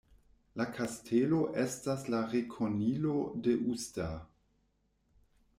La kastelo estas la rekonilo de Uster.